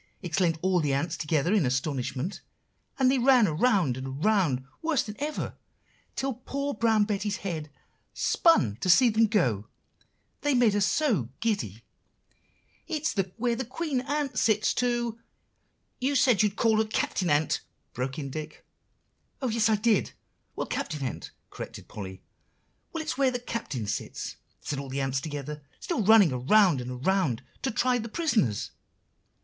exclaimed all the ants together in astonishment; and they ran around and around worse than ever, till poor Brown Betty's head spun to see them go, they made her so giddy. "'It's where the Queen Ant sits to'" "You said you'd call her Captain Ant," broke in Dick. "Oh, yes, so I did! well, Captain Ant," corrected Polly. "'Well, it's where the Captain sits,' said the ants all together, still running around and around, 'to try the prisoners.